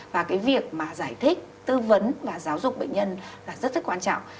và cái việc mà giải thích tư vấn và giáo dục bệnh nhân là rất rất quan trọng